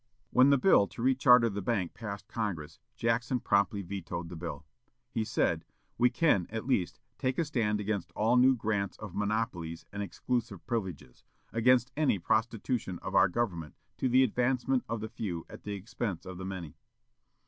When the bill to recharter the bank passed Congress, Jackson promptly vetoed the bill. He said, "We can, at least, take a stand against all new grants of monopolies and exclusive privileges, against any prostitution of our government to the advancement of the few at the expense of the many."